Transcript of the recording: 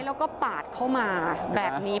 แล้วก็ปาดเข้ามาแบบนี้